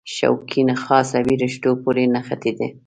شوکي نخاع عصبي رشتو پورې نښتې ده.